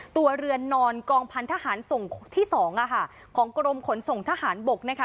ตัวเรือนนอนกองพันธหารส่งที่สองอ่ะค่ะของกรมขนส่งทหารบกนะคะ